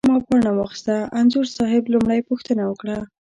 ما پاڼه واخسته، انځور صاحب لومړۍ پوښتنه وکړه.